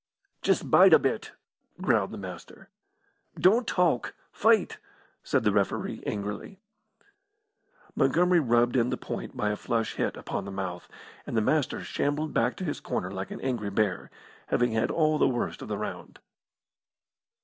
"Just bide a bit!" growled the Master. "Don't talk fight!" said the referee, angrily. Montgomery rubbed in the point by a flush hit upon the mouth, and the Master shambled back to his corner like an angry bear, having had all the worst of the round.